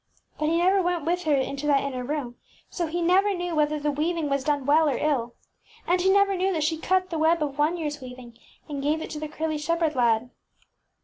ŌĆÖ But he never went with her into that inner room, so he never knew whether the weaving was done well or ill. And he never knew that she cut the web of one yearŌĆÖs weav ing and gave it to the curly shepherd lad.